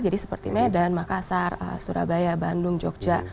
jadi seperti medan makassar surabaya bandung jogja